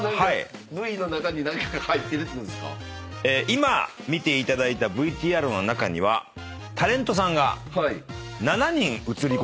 今見ていただいたＶＴＲの中にはタレントさんが７人映り込んでおりました。